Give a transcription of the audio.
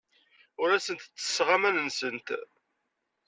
Ur asent-ttesseɣ aman-nsent.